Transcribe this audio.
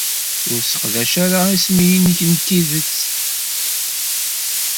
Ur sseqdac ara isem-nnek n tidet.